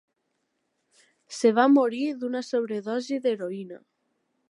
Es va morir d'una sobredosi d'heroïna.